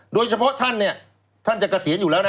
โดยเฉพาะท่านเนี่ยท่านท่านจะเกษียณอยู่แล้วนะ